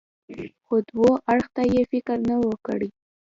خو دو اړخ ته يې فکر نه و کړى.